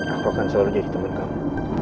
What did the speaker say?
aku akan selalu jadi teman kamu